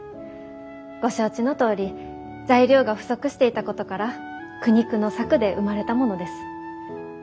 ご承知のとおり材料が不足していたことから苦肉の策で生まれたものです。